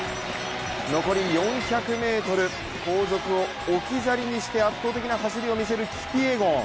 残り４００ｍ、後続を置き去りにして圧倒的な走りを見せるキピエゴン。